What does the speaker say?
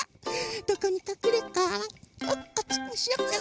どこにかくれようか？